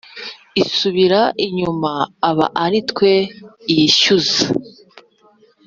isubira inyuma aba ari twe iyishyuza